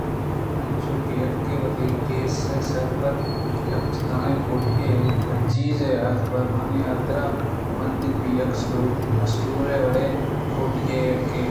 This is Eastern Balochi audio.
انچوش کہ یکے وتی گِسءِ سر بر ءَ یک جتائیں کوٹی ئےپہ چیز ءُازبابانی حاترابہ بندیت یک اسٹور ءِ وڑیں کوٹی ئے یاک